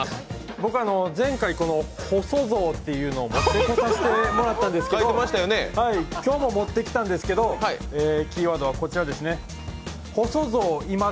僕は前回、細象というを持ってこさせてもらったんですけど、今日も持ってきたんですけどキーワードはこちらです。